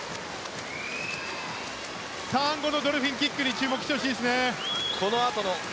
ターン後ドルフィンキックに注目してほしいですね。